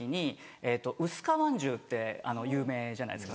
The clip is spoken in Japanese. えっと薄皮まんじゅうって有名じゃないですか